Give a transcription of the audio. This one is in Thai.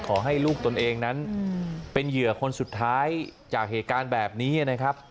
ขอให้ลูกตนเองนั้นเป็นเหยื่อคนสุดท้ายจากเหตุการณ์แบบนี้นะครับ